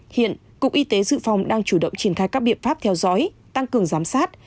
hiện cục y tế dự phòng đang chủ động triển khai các biện pháp theo dõi tăng cường giám sát